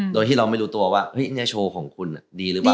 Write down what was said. โดยที่เราไม่รู้ตัวว่าเฮ้ยเนี่ยโชว์ของคุณอะดีหรือเปล่า